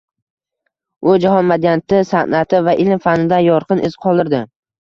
U jahon madaniyati, san’ati va ilm-fanida yorqin iz qoldirdi.